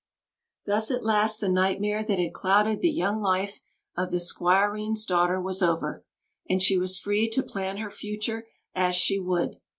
Thus, at last, the nightmare that had clouded the young life of the squireen's daughter was over, and she was free to plan her future as she would.